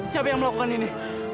siapa yang melakukan ini